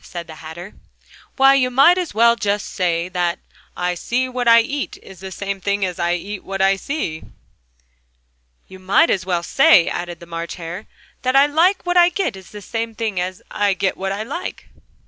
said the Hatter. "Why, you might just as well say that 'I see what I eat' is the same thing as 'I eat what I see'!" "You might just as well say," added the March Hare, "that 'I like what I get' is the same thing as 'I get what I like'!"